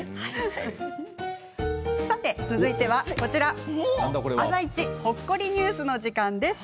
続いては「あさイチ」ほっこりニュースの時間です。